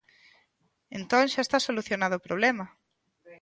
Entón, xa está solucionado o problema.